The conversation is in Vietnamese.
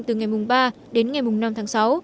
từ ngày mùng ba đến ngày mùng năm tháng sáu